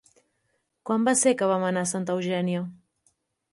Quan va ser que vam anar a Santa Eugènia?